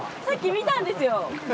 さっき見たんですよ。